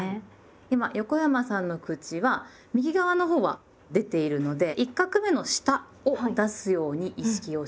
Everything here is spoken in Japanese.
今横山さんの口は右側のほうは出ているので１画目の下を出すように意識をしてみて下さい。